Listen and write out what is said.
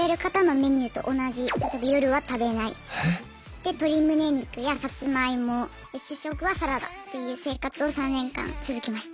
で鶏むね肉やさつまいも主食はサラダっていう生活を３年間続けました。